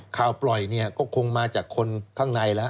ข่าวปล่อยก็คงมาจากคนข้างในแล้ว